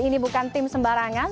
ini bukan tim sembarangan